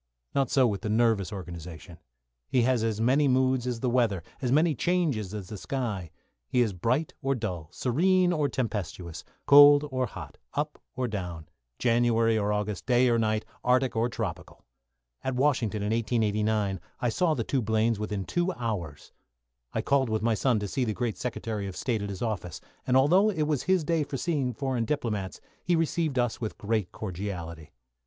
Not so with the nervous organisation. He has as many moods as the weather, as many changes as the sky. He is bright or dull, serene or tempestuous, cold or hot, up or down, January or August, day or night, Arctic or tropical. At Washington, in 1889, I saw the two Blaines within two hours. I called with my son to see the great Secretary of State at his office, and although it was his day for seeing foreign diplomats, he received us with great cordiality.